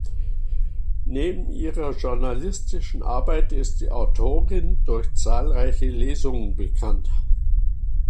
Neben ihrer journalistischen Arbeit ist die Autorin durch zahlreiche Lesungen bekannt.